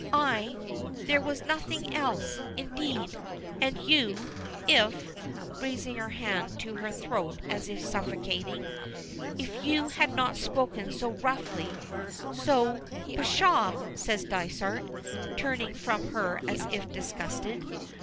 "I there was nothing else, indeed. And you; if" raising her hand to her throat as if suffocating "if you had not spoken so roughly so " "Pshaw!" says Dysart, turning from her as if disgusted.